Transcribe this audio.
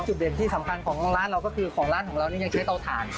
จุดเด่นที่สำคัญของร้านเราก็คือของร้านของเรานี่ยังใช้เตาถ่าน